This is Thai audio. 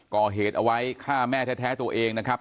ก่อเหตุเอาไว้ฆ่าแม่แท้ตัวเองนะครับ